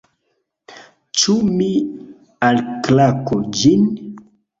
Ĉu mi alklaku ĝin?